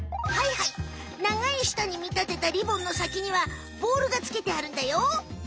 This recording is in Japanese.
はいはい長い舌に見立てたリボンの先にはボールがつけてあるんだよ。